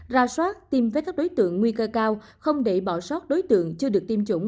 ra soát tiêm với các đối tượng nguy cơ cao không để bỏ sót đối tượng chưa được tiêm chủng